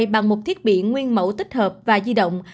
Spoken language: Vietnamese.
bằng một thiết bị nguyên mẫu tích hợp và di động